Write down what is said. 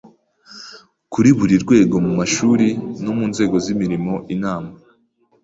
Kuri buri rwego, mu mashuri no mu nzego z’imirimo Inama